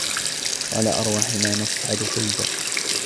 و على أرواحنا نصعد خلدا